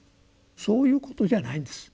そういうことじゃないんです。